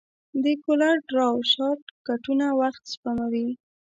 د کولر ډراو شارټکټونه وخت سپموي.